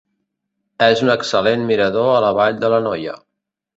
És un excel·lent mirador a la vall de l'Anoia.